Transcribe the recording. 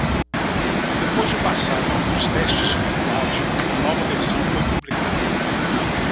Depois de passar em alguns testes de qualidade, a nova versão foi publicada.